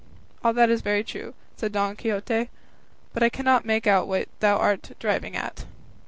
"All that is very true," said Don Quixote; "but I cannot make out what thou art driving at."